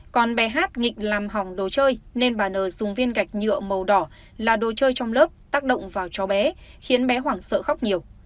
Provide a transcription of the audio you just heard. còn bé hát nghịch làm hỏng đồ chơi nên bà n dùng viên gạch nhựa màu đỏ là đồ chơi trong lớp tác động vào cháu bé khiến bé hoảng sợ khóc nhiều